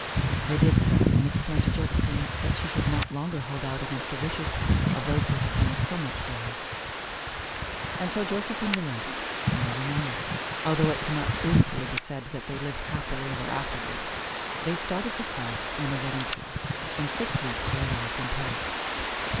They did so and explained to Josephine that she should not longer hold out against the wishes of those who had done so much for her. And so Josephine relented and they were married, although it can not truthfully be said that they lived happily ever afterward. They started for France, on their wedding tour. In six weeks they arrived in Paris.